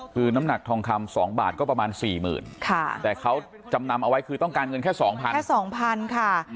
คือน้ำหนักทองคำ๒บาทก็ประมาณ๔๐๐๐๐บาทแต่เขาจำนำเอาไว้คือต้องการเงินแค่๒๐๐๐บาท